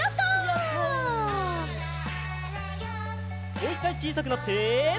もう１かいちいさくなって。